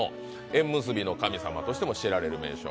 縁結びの神様としても知られる名所。